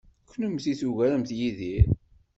Kennemti tugaremt Yidir.